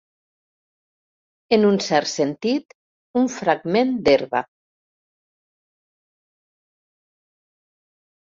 En un cert sentit, un fragment d'herba.